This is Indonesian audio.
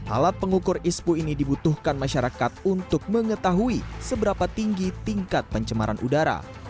alat pengukur ispu ini dibutuhkan masyarakat untuk mengetahui seberapa tinggi tingkat pencemaran udara